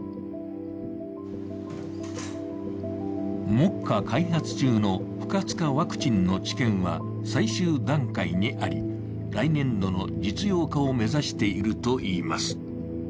目下、開発中の不活化ワクチンの治験は最終段階にあり、来年度の実用化を目指しているといいます。